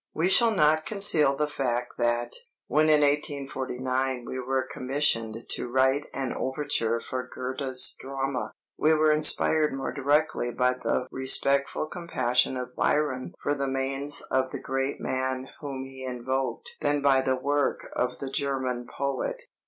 We shall not conceal the fact that, when in 1849 we were commissioned to write an overture for Goethe's drama, we were inspired more directly by the respectful compassion of Byron for the manes of the great man whom he invoked than by the work of the German poet.